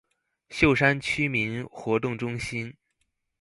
秀山區民活動中心